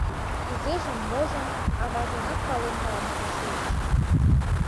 Кузежым-можым аважынат пален налмыже шуэш.